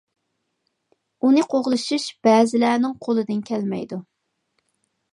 ئۇنى قوغلىشىش بەزىلەرنىڭ قولىدىن كەلمەيدۇ.